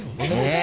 え！